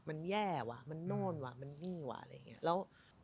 มันแย่ว่ะมันโน่นว่ะมันนี่ว่ะอะไรอย่างนี้